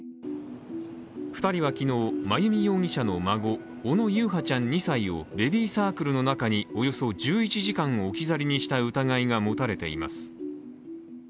２人は昨日、真由美容疑者の孫、小野優陽ちゃん２歳をベビーサークルの中におよそ１１時間置き去りにした疑いが持たれています。